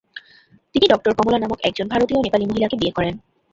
তিনি ডঃ কমলা নামক একজন ভারতীয় নেপালি মহিলা কে বিয়ে করেন।